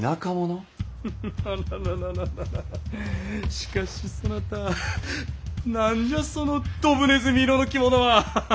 しかしそなた何じゃそのどぶねずみ色の着物は！